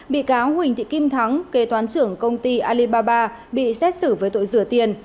bị cáo huỳnh thị kim thắng kê toán trưởng công ty alibaba bị xét xử với tội rửa tiền